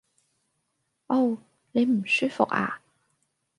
嗷！你唔舒服呀？